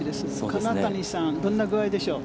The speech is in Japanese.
金谷さん、どんな具合でしょう？